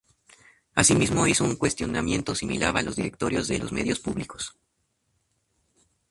Asimismo, hizo un cuestionamiento similar a los directorios de los medios públicos.